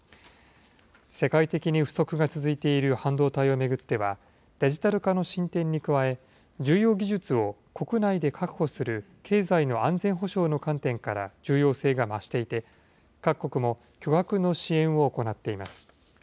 世界的に不足が続いている半導体を巡っては、デジタル化の進展に加え、重要技術を国内で確保する経済の安全保障の観点から重要性が増していて、各国も巨額の支援を行っています。